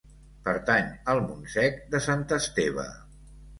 Pertany al Montsec de Sant Esteve.